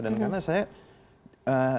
dan karena saya